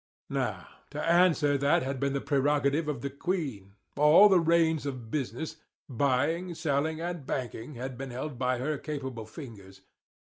Now, to answer that had been the prerogative of the queen. All the reins of business—buying, selling, and banking—had been held by her capable fingers.